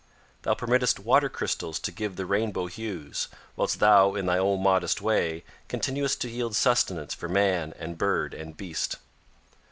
Thou permittest water crystals to give the rainbow hues, whilst thou in thy own modest way, continuest to yield sustenance for man and bird and beast.